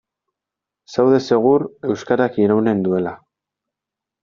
Zaude segur euskarak iraunen duela.